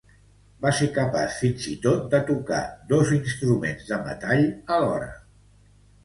Va ser capaç fins i tot de tocar dos instruments de metall alhora.